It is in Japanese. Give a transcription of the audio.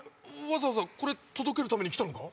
わざわざこれ届けるために来たのか？